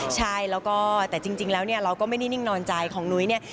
ใช่แล้วก็แต่จริงแล้วเนี่ยเราก็ไม่ได้นิ่งนอนใจของนุ้ยเนี่ย